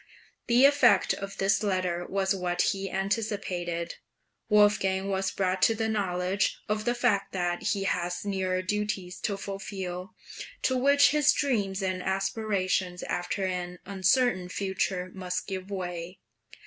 The effect of this letter was what he anticipated. Wolfgang was brought to a knowledge of the fact that he had nearer duties to fulfil, to which his dreams and aspirations after an uncertain future must give way.